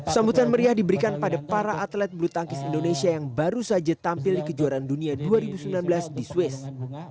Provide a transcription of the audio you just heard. sambutan meriah diberikan pada para atlet bulu tangkis indonesia yang baru saja tampil di kejuaraan dunia dua ribu sembilan belas di swiss